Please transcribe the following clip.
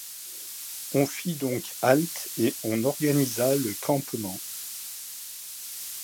On fit donc halte et on organisa le campement.